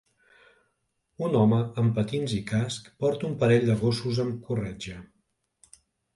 Un home amb patins i casc porta un parell de gossos amb corretja.